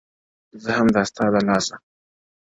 زه هم دا ستا له لاسه ـ